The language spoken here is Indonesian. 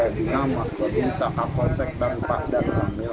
dengan pak jokowi sahab wonsek dan pak dato' amil